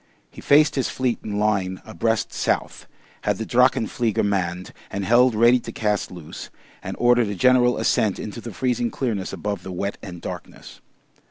He faced his fleet in line abreast south, had the drachenflieger manned and held ready to cast loose, and ordered a general ascent into the freezing clearness above the wet and darkness.